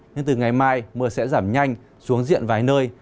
nhưng từ ngày mai mưa sẽ giảm nhanh xuống diện vài nơi